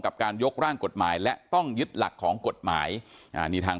การยกร่างกฎหมายและต้องยึดหลักของกฎหมายนี่ทาง